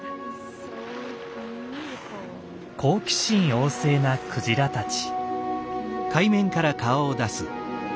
好奇心旺盛なクジラたち。